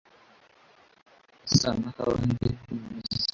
Isa n'akabande ko mu mpeshyi